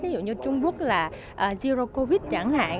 ví dụ như trung quốc là zero covid chẳng hạn